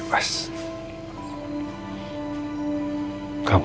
sebentar lagi kamu akan bebas